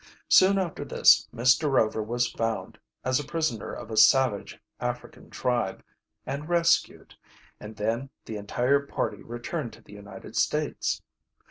Soon after this Mr. Rover was found, as a prisoner of a savage African tribe, and rescued, and then the entire party returned to the United States.